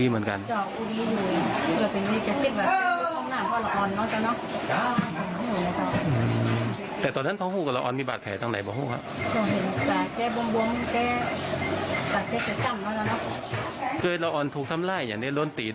อ้อมมีบาดแผลต่างไหนบอกซักคลิป